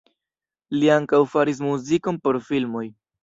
Li ankaŭ faris muzikon por filmoj.